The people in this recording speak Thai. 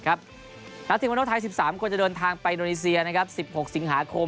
นักทีมมโน้ไทย๑๓คนจะเดินทางไปอินโดนีเซีย๑๖สิงหาคม